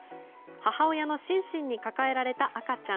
母親のシンシンに抱えられた赤ちゃん。